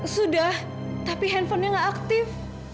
sudah tapi handphonenya nggak aktif